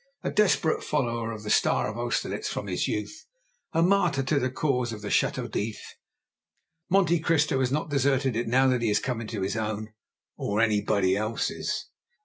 A desperate follower of the star of Austerlitz from his youth, a martyr to the cause in the Château d'If, Monte Cristo has not deserted it now that he has come into his own—or anybody else's.